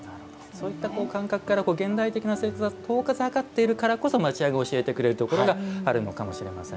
そういった感覚から現代的な生活が遠ざかっているからこそ町家が教えてくれるところがあるのかもしれません。